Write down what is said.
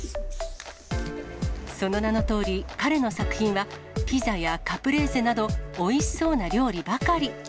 その名のとおり、彼の作品はピザやカプレーゼなど、おいしそうな料理ばかり。